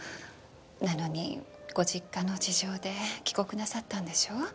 なのにご実家の事情で帰国なさったんでしょう？